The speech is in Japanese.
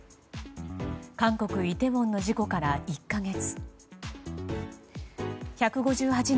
韓国イテウォンの事故から１か月。